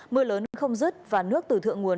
mưa lớn không rứt và nước từ thượng nguồn